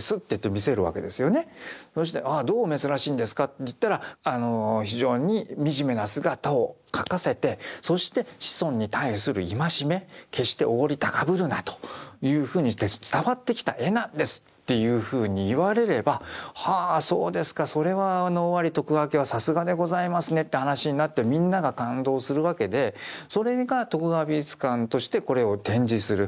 そしてああどう珍しいんですかって言ったら非常に惨めな姿を描かせてそして子孫に対する戒め決しておごり高ぶるなというふうにして伝わってきた絵なんですっていうふうに言われればはあそうですかそれは尾張徳川家はさすがでございますねって話になってみんなが感動するわけでそれが徳川美術館としてこれを展示する。